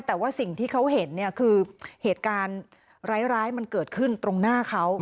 แต่ว่าสิ่งที่เขาเห็นเนี่ยคือเหตุการณ์ร้ายมันเกิดขึ้นตรงหน้าเขา